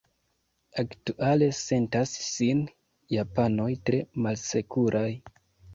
Aktuale sentas sin japanoj tre malsekuraj.